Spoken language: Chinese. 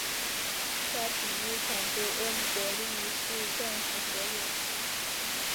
该体育场归恩波利市政府所有。